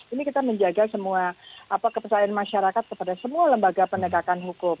ini kita menjaga semua kepercayaan masyarakat kepada semua lembaga penegakan hukum